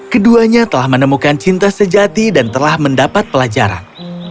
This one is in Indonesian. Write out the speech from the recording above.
keduanya telah menemukan cinta sejati dan telah mendapat pelajaran